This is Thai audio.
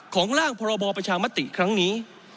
ร่างพรบประชามติครั้งนี้